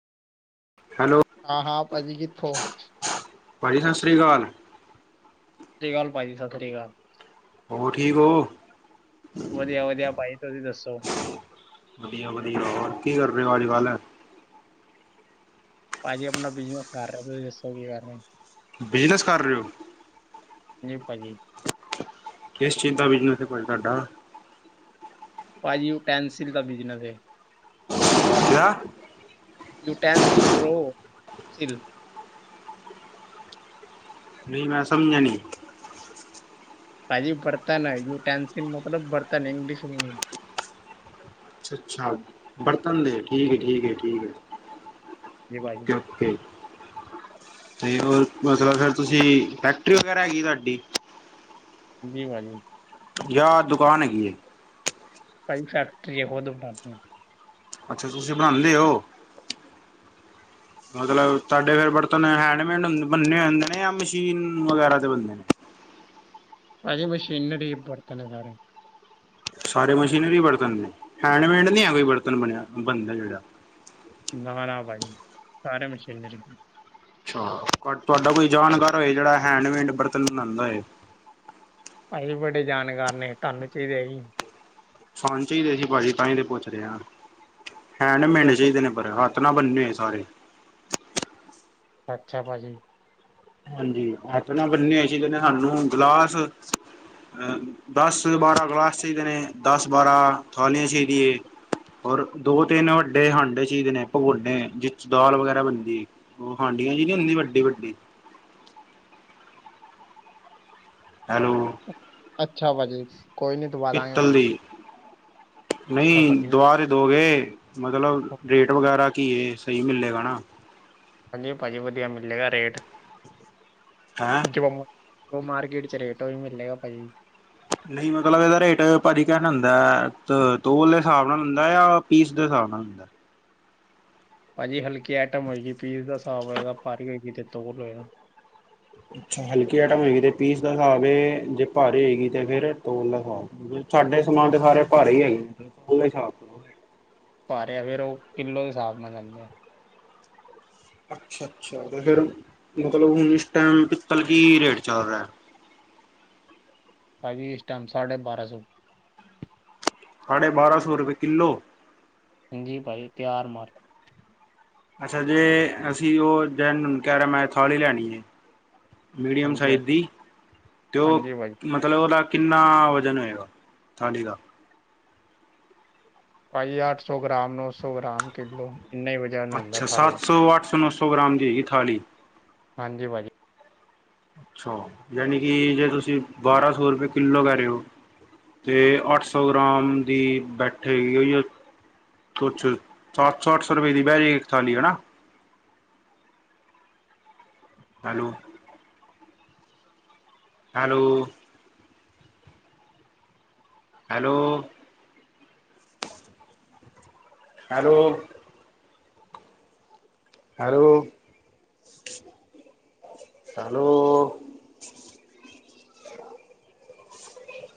Hello ਹਾਂ-ਹਾਂ ਪਾਜੀ ਕਿਥੋ ਪਾਜੀ ਸਾਸ ਸ੍ਰੀ ਕਾਲ ਸਾਸ ਸ਼੍ਰੀ ਕਾਲ ਪਾਜੀ ਸਤਿਰੀ ਕਾਲ ਹੋਰ ਠੀਕ ਓ। ਵਧੀਆ-ਵਧੀਆ ਪਾਈ ਤੁਸੀ ਦਸੋ ਵਧੀਆ-ਵਧੀਆ ਹੋਰ ਕੀ ਕਰ ਰਹੇ ਹੋ ਅੱਜ-ਕੱਲ ਪਾਜੀ ਆਪਣਾ ਬਿਜਨਸ ਕਰ ਰਹੇ ਤੁਸੀ ਦਸੋ ਕੀ ਕਰਹੇ ਓ ਬਿਜਨਸ ਕਰ ਰਹੇ ਓ ਜੀ ਪਾਜੀ ਕਿਸ ਚੀਜ਼ ਦਾ ਬਿਜਨਸ ਐ ਤੁਆਡਾ? ਪਾਜੀ ਯੂਟੈਂਸਿਲ ਦਾ ਬਿਜਨਸ ਏ। ਕਯਾ? ਯੂਟੈਨਸਿਲ ਬ੍ਰੋ ਸਿਲ ਨਈ ਮੈਂ ਸਮਝਣੀ ਪਾਜੀ ਬਰਤਨ ਏ, ਯੂਟੈਨਸਿਲ ਮਤਲਬ ਬਰਤਨ, ਇੰਗਲਿਸ਼ ਮੀਨ ਅੱਛਾ, ਅੱਛਾ ਬਰਤਨ ਦੇ, ਠੀਕ -ਠੀਕ, ਠੀਕ ਏ। ਤੇ ਹੋਰ ਮਤਲਬ ਢੇਰ ਤੁਸੀਂ ਫੈਕਟਰੀ ਵਗੈਰਾ ਹੈਗੀ, ਤਾਡੀ? ਜੀ ਪਾਜੀ। ਯਾ ਦੁਕਾਨ ਹੈਗੀ ਏ? ਪਾਈ ਫੈਕਟਰੀ ਐ, ਖੁਦ ਬਹਾਨੇ ਅੱਛਾ ਤੁਸੀਂ ਬਣਾਨੇ ਔ? ਮਤਲਬ ਤਾਡੇ ਫਿਰ ਬਰਤਨ ਹੈਂਡਮੇਡ ਬੰਨੇ ਹੁੰਦੇ ਨੇ, ਜਾਂ ਮਸ਼ੀਨ ਵਗੈਰਾ ਦੇ ਬੰਨੇ ਨੇ? ਪਾਜੀ ਮਸ਼ੀਨੜੀ ਬਰਤਨ ਏ ਸਾਰੇ। ਸਾਰੇ ਮਸ਼ੀਨਰੀ ਬਰਤਨ ਨੇ, ਹੈਂਡਮੇਡ ਨਈ ਐ, ਕੋਈ ਬਰਤਨ ਬਣਿਆ, ਬਣਦਾ ਜਿਹੜਾ ਨ, ਨਾ ਬਾਈ ਸਾਰੇ ਮਸ਼ੀਨਰੀ ਅਛਾ, ਤੁਹਾਡਾ ਕੋਈ ਜਾਣਕਾਰ ਹੋਏ, ਜਿਹੜਾ ਹੈਂਡਮੇਡ ਬਰਤਨ ਬਣਾਦਾ ਐ। ਪਾਜੀ ਬੜੇ ਜਾਨਕਾਰ ਨੇ, ਤਾਨੂੰ ਚਾਈਦੇ ਐ ਜੀ? ਸਾਨੁ ਚਾਈਦੇ ਜੀ ਪਾਜੀ, ਤਾਂਈਉ ਤੇ ਪੁੱਛ ਰਿਆ? ਹੈਂਡ ਮੇਡ ਚਾਹੀਦੇ ਨੇ ਹੱਥ ਨਾਲ ਬੰਨੇ ਆ ਸਾਰੇ। ਅੱਛਾ ਪਾਜੀ ਹਾਂਜੀ, ਹੱਥ ਨਾਲ ਬੰਨੇ ਆ ਜੀ ਨਿਹਾਨੂ ਹੁਣ ਗਿਲਾਸ ਦਸ, ਬਾਰਾਂ ਗਲਾਸ ਚਾਹੀਦੇ ਨੇ, ਦਸ ਬਾਰਾਂ ਥਾਲੀਆਂ ਚਾਹੀਦੀਆਂ ਏ। ਹੋਰ ਦੋ ਤਿੰਨ ਵੱਡੇ ਹਾਂਡੇ ਚਾਈਦੇ ਨੇ, ਪਗੋਨੇ ਜਿਸ ਦਾਲ ਵਗੈਰਾ ਬਣਦੀ, ਉਹ ਹਾਂਡੀਆਂ ਜੀ ਨੀ ਹੁੰਦੀ ਵੱਡੀ- ਵੱਡੀ ਹੈਲੋ ਅੱਛਾ ਪਾਜੀ, ਕੋਈ ਨੀ ਦਵਾ ਦਾਂਗੇ ਪਿੱਤਲ ਪਾਜੀ। ਦੀ ਨਹੀਂ ਦੁਆ ਤੇ ਦੋਗੇ, ਮਤਲਬ ਰੇਟ ਵਗੈਰਾ ਕੀ ਐ? ਸਹੀ ਮਿਲੇਗਾ ਨਾ? ਹਾਂਜੀ ਪਾਜੀ, ਵਧੀਆ ਮਿਲੇਗਾ ਰੇਟ ਹੈਂ। ਉਹ ਮਾਰਕੀਟ ਚ ਰੇਟ ਵੀ ਮਿਲਲੇਗਾ ਪਾਜੀ। ਨਹੀਂ ਮਤਲਬ ਇਹਦਾ ਰੇਟ ਪਾਜੀ ਕਿਹਵੇ ਹੁੰਦਾ, ਤੋਲ ਦੇ ਹਿਸਾਬ ਨਾਲ ਹੁੰਦਾ ਜਾਂ ਪੀਸ ਦੇ ਹਿਸਾਬ ਨਾਲ ਹੁੰਦਾ? ਪਾਜੀ ਹਲਕੀ ਆਈਟਮ ਹੋਏਗੀ ਪੀਜ਼ ਦਾ ਹਿਸਾਬ ਹੋਏਗਾ, ਭਾਰੀ ਹੋਏਗੀ ਤੇ ਤੋਲ ਹੋਏਗਾ। ਅੱਛਾ, ਹਲਕੀ ਆਈਟਮ ਹੋਏਗੀ ਤੇ ਪੀਸ ਦਾ ਸਾਬ ਹੈ, ਜੇ ਭਾਰੀ ਹੋਏਗੀ ਤੇ ਫਿਰ ਤੋਲ ਦਾ ਸਾਬ ਸਾਡੇ ਸਮਾਨ ਤੇ ਸਾਰੇ ਭਾਰੇ ਹੀਈ ਹੈਗੇ, ਉਹਦੇ ਹਸਾਬ ਤੋਂ ਭਾਰੇ ਅ ਫੇਰ ਉਹ ਕਿੱਲੋ ਦੇ, ਸਾਬ ਨਾਲ ਲੈਂਦੇ ਆ ਅੱਛਾ-ਅੱਛਾ ਤੇ ਫਿਰ ਮਤਲਬ ਹੁਣ ਇਸ ਟਾਈਮ ਪਿੱਤਲ ਕੀ ਰੇਟ ਚੱਲ ਰਿਆ। ਪਾਜੀ ਇਸ ਟਾਈਮ ਸਾਢੇ ਬਾਰਾਂ ਸੌ ਸਾਢੇ ਬਾਰਾਂ ਸੌ ਰੁਪਏ ਕਿੱਲੋ? ਹਾਂਜੀ ਪਾਜੀ ਤਿਆਰ ਮਾਲ ਅੱਛਾ ਜੇ ਅਸੀਂ ਉਹ ਕਹਿ ਰਿਹੇ, ਮੈਂ ਥਾਲੀ ਲੈਣੀ ਜੇ। ਮੀਡੀਅਮ ਹਾਂਜੀ ਸਾਈਜ਼ ਦੀ ਤੇ ਉ ਹਾਂਜੀ ਭਾਜੀ ਮਤਲਬ ਉਹਦਾ ਕਿੰਨਾ ਵਜਨ ਹੋਏਗਾ, ਥਾਲੀ ਦਾ? ਪਾਜੀ ਅੱਠ ਸੌ ਗ੍ਰਾਮ, ਨੌ ਸੌ ਗ੍ਰਾਮ, ਕਿਲੋ ਇੰਨਾ ਈ ਵਜ ਅੱਛਾ ਸੱਤ ਸੌ, ਅੱਠ ਸੌ, ਨੌ ਸੌ, ਗ੍ਰਾਮ ਦੀ ਹੈਗੀ ਥਾਲੀ। ਹਾਂਜੀ ਪਾਜੀ ਅੱਛਾ, ਯਾਨਿ ਕੀ ਜੇ ਤੁਸੀਂ, ਬਾਰਾਂ ਸੌ ਰੁਪਏ ਕਿੱਲੋ ਕਹਿ ਰੇ ਓ? ਤੇ ਅੱਠ ਸੌ ਗ੍ਰਾਮ ਦੀ ਬੈਠੇ ਹੋਈ ਹੋਈ ਆ [inaudible] ਸੱਤ ਸੌ, ਅੱਠ ਸੌ ਰੁਪਏ ਦੀ ਬਹਿ ਜੇ ਗੀ ਇੱਕ ਥਾਲੀ ਹਨਾ? Hello, hello, hello, hello, hello, hello.